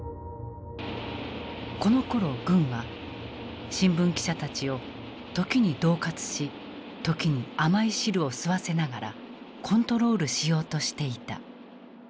このころ軍は新聞記者たちを時に恫喝し時に甘い汁を吸わせながらコントロールしようとしていた。